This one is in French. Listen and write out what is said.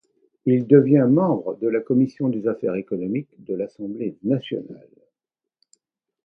Il devient membre de la commission des Affaires économiques de l'Assemblée nationale.